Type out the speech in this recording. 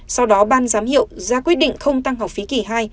sau đó ban giám hiệu ra quyết định không tăng học phí kỳ hai